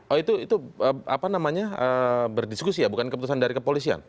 oh itu apa namanya berdiskusi ya bukan keputusan dari kepolisian